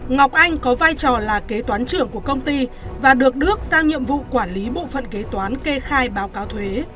ngọc anh có vai trò là kế toán trưởng của công ty và được đức sang nhiệm vụ quản lý bộ phận kế toán kê khai báo cáo thuế